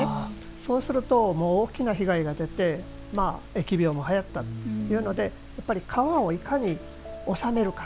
そうするともう大きな被害が出て疫病もはやったというのでやっぱり川をいかにおさめるか。